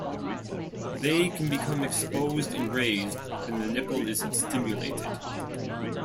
They can become exposed and raised when the nipple is stimulated.